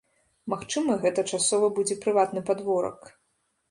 Магчыма, гэта часова будзе прыватны падворак.